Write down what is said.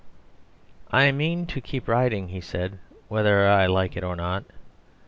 "I mean to keep writing," he said, "whether I like it or not."